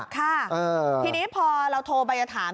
ค่ะทีนี้พอเราโทรไปจะถาม